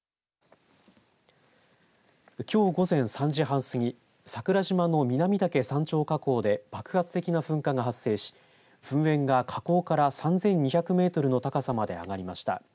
きょう午前３時半過ぎ桜島の南岳山頂火口で爆発的な噴火が発生し噴煙が火口から３２００メートルの高さまで上がりました。